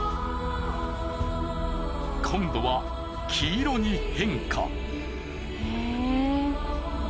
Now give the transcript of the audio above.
今度は黄色に変化。